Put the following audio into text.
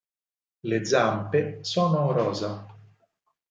Le zampe sono rosa.